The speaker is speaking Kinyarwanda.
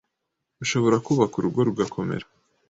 ushobora kubaka urugo rugakomera